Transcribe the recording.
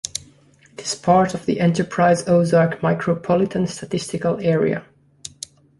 It is part of the Enterprise-Ozark Micropolitan Statistical Area.